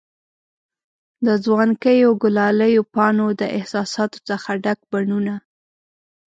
د ځوانکیو، ګلالیو پانو د احساساتو څخه ډک بڼوڼه